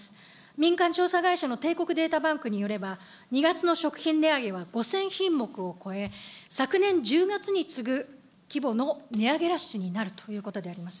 民間調査会社の帝国データバンクによれば、２月の食品値上げは５０００品目を超え、昨年１０月に次ぐ規模の値上げラッシュになるということであります。